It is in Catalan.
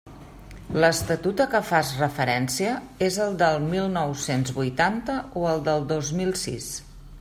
L'Estatut a què fas referència és el de mil nou-cents vuitanta o el del dos mil sis?